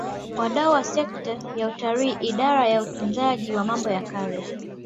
Wadau wa sekta ya utalii Idara ya Utunzaji wa Mambo ya Kale